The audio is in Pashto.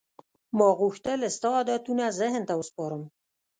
ما غوښتل ستا عادتونه ذهن ته وسپارم.